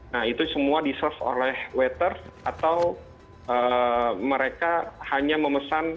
nah itu semua di search oleh waters atau mereka hanya memesan